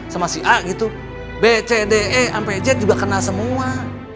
sama si a gitu b c d e sampai j juga kenal semua